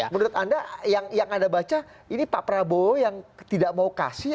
menurut anda yang anda baca ini pak prabowo yang tidak mau kasih